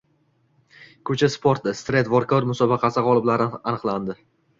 Ko‘cha sporti – “Street workout” musobaqasi g‘oliblari aniqlandi